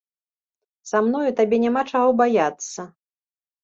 Са мною табе няма чаго баяцца.